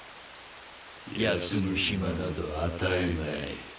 休む暇など与えない。